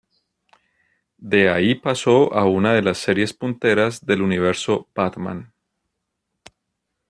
De ahí pasó a una de las series punteras del universo Batman.